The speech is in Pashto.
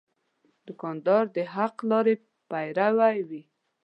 دوکاندار د حق لارې پیرو وي.